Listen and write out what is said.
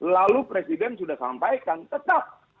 lalu presiden sudah sampaikan tetap